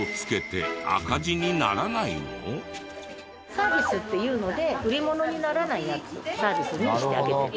サービスっていうので売り物にならないやつサービスにしてあげてる。